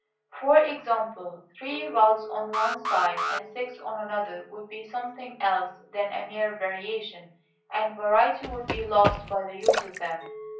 For example, three rods on one side and six on another would be something else than a mere variation, and variety would be lost by the use of them.